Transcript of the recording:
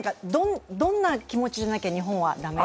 どんな気持ちじゃなきゃ日本は駄目？